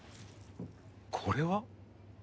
これは？